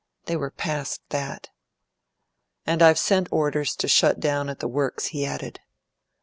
They were past that. "And I've sent orders to shut down at the Works," he added.